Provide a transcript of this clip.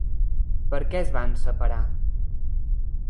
Per què es van separar?